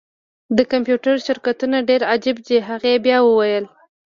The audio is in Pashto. د کمپیوټر شرکتونه ډیر عجیب دي هغې بیا وویل